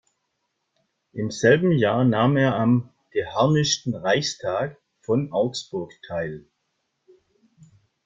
Im selben Jahr nahm er am "geharnischten Reichstag" von Augsburg teil.